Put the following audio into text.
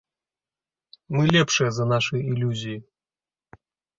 Мы лепшыя за нашы ілюзіі!